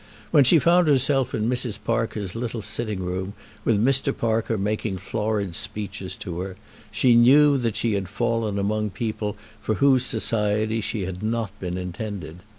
When she found herself in Mrs. Parker's little sitting room, with Mr. Parker making florid speeches to her, she knew that she had fallen among people for whose society she had not been intended.